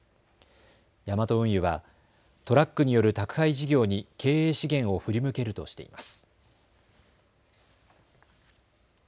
ヤマト運輸はトラックによる宅配事業に経営資源を振り向けるとしています。